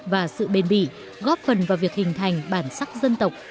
và sự bền bỉ góp phần vào việc hình thành bản sắc dân tộc